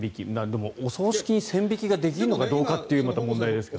でも、お葬式に線引きができるのかどうかという問題ですが。